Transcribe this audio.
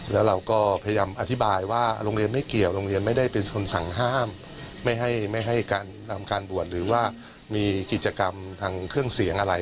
แล้วเราก็พยายามอธิบายว่าโรงเรียนไม่เกี่ยวโรงเรียนไม่ได้เป็นคนสั่งห้ามไม่ให้ไม่ให้การนำการบวชหรือว่ามีกิจกรรมทางเครื่องเสียงอะไร